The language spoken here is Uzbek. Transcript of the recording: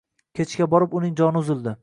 Kechga borib, uning joni uzildi